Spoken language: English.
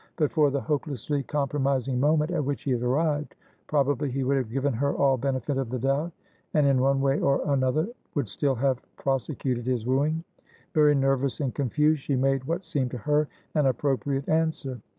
But for the hopelessly compromising moment at which he had arrived, probably he would have given her all benefit of the doubt, and in one way or another, would still have prosecuted his wooing. Very nervous and confused, she made what seemed to her an appropriate answer.